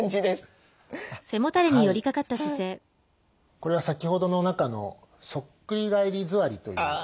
これは先ほどの中のそっくり返り座りという状態になりますね。